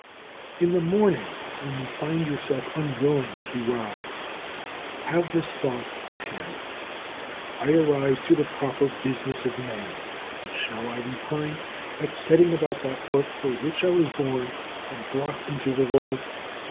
1. In the morning, when you find yourself unwilling to rise, have this thought at hand: I arise to the proper business of man, and shall I repine at setting about that work for which I was born and brought into the world?